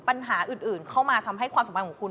ปัญหาอื่นเข้ามาทำให้ความสัมพันธ์ของคุณ